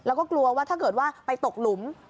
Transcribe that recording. แล้วก็กลัวว่าถ้าเกิดว่าไปตกหลุม